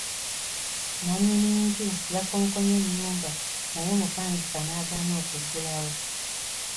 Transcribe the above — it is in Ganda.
Nannyini nju yakonkonye ennyumba naye omupangisa n'agaana okuggulawo.